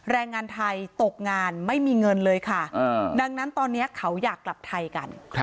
แรงงานไทยตกงานไม่มีเงินเลยค่ะดังนั้นตอนนี้เขาอยากกลับไทยกัน